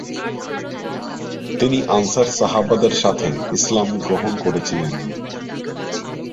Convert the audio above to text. তিনি আনসার সাহাবাদের সাথে ইসলাম গ্রহণ করেছিলেন।